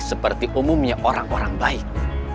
seperti umumnya orang orang baik